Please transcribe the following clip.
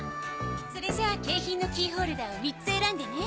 それじゃ景品のキーホルダーを３つ選んでね。